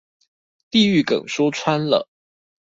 地獄梗說穿了